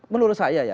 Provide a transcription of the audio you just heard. menurut saya ya